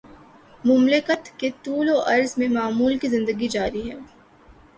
مملکت کے طول وعرض میں معمول کی زندگی جاری ہے۔